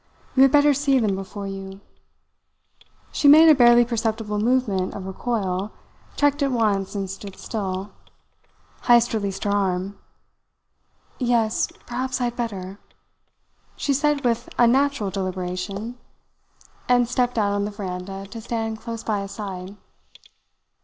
You had better see them before you " She made a barely perceptible movement of recoil, checked at once, and stood still. Heyst released her arm. "Yes, perhaps I had better," she said with unnatural deliberation, and stepped out on the veranda to stand close by his side.